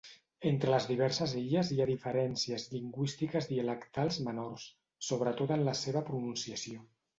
Entre les diverses illes hi ha diferències lingüístiques dialectals menors, sobretot en la seva pronunciació.